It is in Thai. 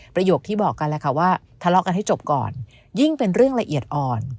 ประโยคที่บอกกันแหละค่ะว่าทะเลาะกันให้จบก่อนยิ่งเป็นเรื่องละเอียดอ่อน